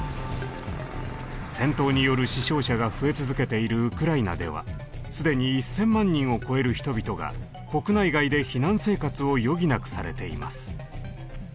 戦闘による死傷者が増え続けているウクライナでは既に１，０００万人を超える人々が国内外で避難生活を余儀なくされています。